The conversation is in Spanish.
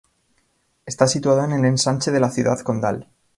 Está situado en el Ensanche de la Ciudad Condal.